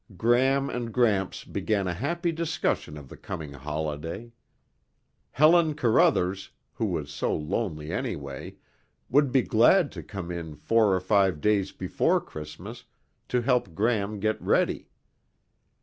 Gram and Gramps began a happy discussion of the coming holiday. Helen Carruthers, who was so lonely anyway, would be glad to come in four or five days before Christmas to help Gram get ready.